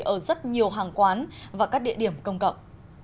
ở rất nhiều hàng quán và các địa điểm công cộng